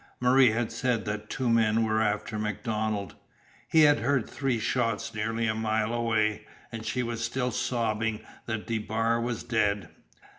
Marie had said that two men were after MacDonald. He had heard three shots nearly a mile away, and she was still sobbing that DeBar was dead.